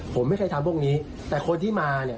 ผมไม่เคยทำพวกนี้แต่คนที่มาเนี่ย